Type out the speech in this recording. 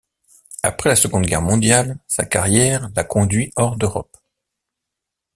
Après la Seconde Guerre mondiale, sa carrière la conduit hors d'Europe.